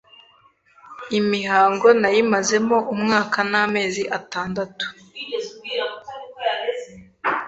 imihango nayimazemo umwaka n’amezi atandatu